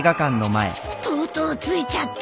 とうとう着いちゃった